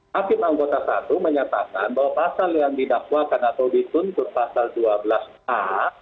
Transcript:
hakim anggota satu menyatakan bahwa pasal yang didakwakan atau dituntut pasal dua belas a